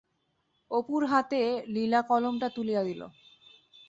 অপুর হাতে লীলা কলামটা তুলিয়া দিল।